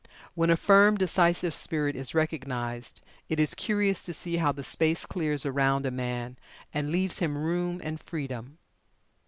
When a firm, decisive spirit is recognized, it is curious to see how the space clears around a man and leaves him room and freedom."